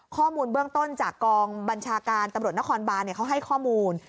ข้อมูลเบื้องต้นจากกองบัญชาการตำรวจนครบานเขาให้ข้อมูล